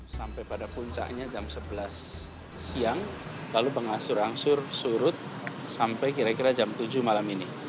sampai pada puncaknya jam sebelas siang lalu berangsur angsur surut sampai kira kira jam tujuh malam ini